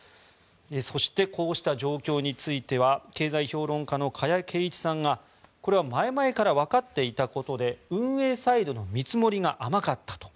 そして、こうした状況については経済評論家の加谷珪一さんがこれは前々からわかっていたことで運営サイドの見積もりが甘かったと。